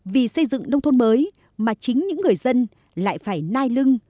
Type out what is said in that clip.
vì xây dựng nông thôn mới mà chính những người dân lại phải nai lưng